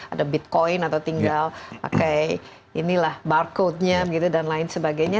ada bitcoin atau tinggal pakai inilah barcode nya gitu dan lain sebagainya